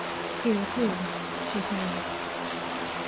Here, too, she failed.